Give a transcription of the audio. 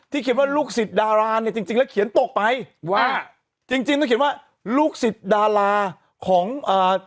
เขียนว่าลูกศิษย์ดาราเนี่ยจริงจริงแล้วเขียนตกไปว่าจริงจริงต้องเขียนว่าลูกศิษย์ดาราของอ่า